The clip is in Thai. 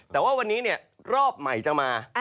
แต่ว่าวันนี้รอบใหม่จะมา